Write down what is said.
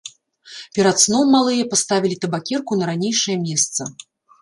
Перад сном малыя паставілі табакерку на ранейшае месца.